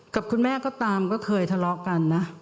กับคุณแม่ก็ตามก็เคยทะเลาะกันนะ